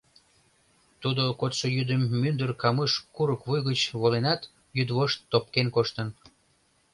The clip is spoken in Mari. Тудо кодшо йӱдым мӱндыр Камыш курык вуй гыч воленат, йӱдвошт топкен коштын.